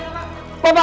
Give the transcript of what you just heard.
kita boleh pak